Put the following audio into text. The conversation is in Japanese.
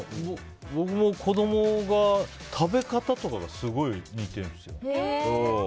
僕も、子供が食べ方とかがすごい似てるんですよ。